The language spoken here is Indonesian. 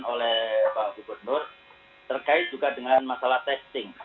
oleh pak gubernur terkait juga dengan masalah testing